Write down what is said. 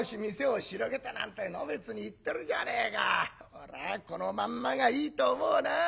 俺はこのまんまがいいと思うな。